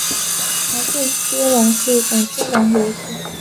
麻将接龙是一种接龙游戏。